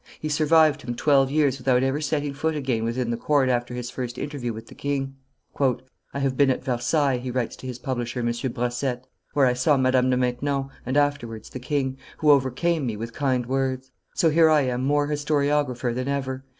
He survived him twelve years without ever setting foot again within the court after his first interview with the king. "I have been at Versailles," he writes to his publisher, M. Brossette, "where I saw Madame de Maintenon, and afterwards the king, who overcame me with kind words; so, here I am more historiographer than ever.